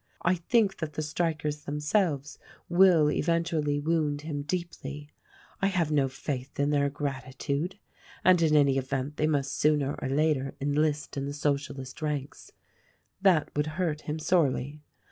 I think that the strikers themselves will eventually wound him deeply ; I have no faith in their gratitude ; and in any event, they must sooner or later enlist in the Socialist ranks. That would hurt him sorely.